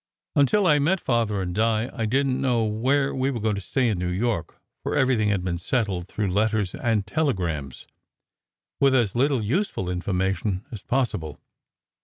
Until I met Father and Di I didn t know where we were to stay in New York, for everything had been settled through letters and telegrams, with as little useful information as possible.